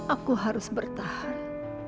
aku harus bertahan